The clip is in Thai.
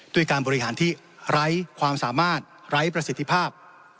ด้วยการบริหารที่ไร้ความสามารถไร้ประสิทธิภาพ